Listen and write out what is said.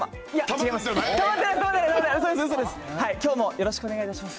よろしくお願いします。